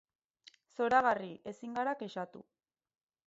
Zoragarri, ezin gara kexatu.